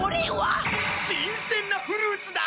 新鮮なフルーツだ。